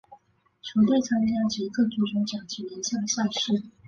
球队参加捷克足球甲级联赛的赛事。